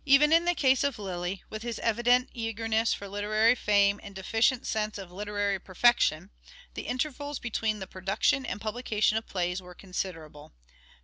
Even in the case of Lyly, with his evident eagerness for literary fame and deficient sense of literary perfection, the intervals between the production and publication of plays were considerable.